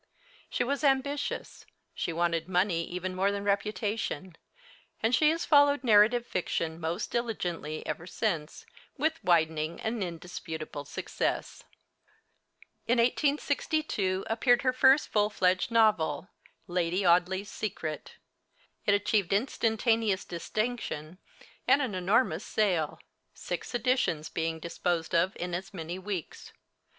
She was ambitious, she wanted money even more than reputation, and she has followed narrative fiction most diligently ever since, with widening and indisputable success. In 1862 appeared her first full fledged novel, 'Lady Audley's Secret.' It achieved instantaneous distinction and an enormous sale, six editions being disposed of in as many weeks.